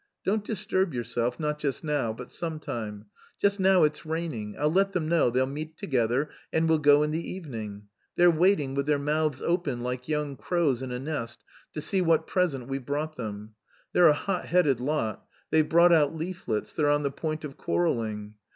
Don't disturb yourself, not just now, but sometime. Just now it's raining. I'll let them know, they'll meet together, and we'll go in the evening. They're waiting, with their mouths open like young crows in a nest, to see what present we've brought them. They're a hot headed lot. They've brought out leaflets, they're on the point of quarrelling.